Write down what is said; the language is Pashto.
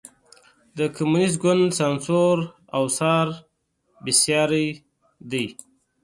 د کمونېست ګوند سانسور او څار بېساری دی.